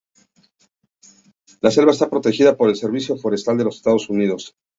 La selva está protegida por el Servicio Forestal de los Estados Unidos.